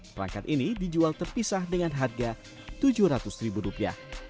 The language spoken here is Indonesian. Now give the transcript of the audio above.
perangkat ini dijual terpisah dengan harga tujuh ratus ribu rupiah